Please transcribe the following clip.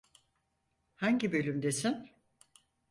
Hangi bölümdesin?